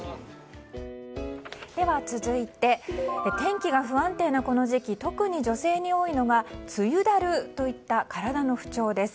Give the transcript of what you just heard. では続いて天気が不安定なこの時期特に女性に多いのが梅雨だるといった体の不調です。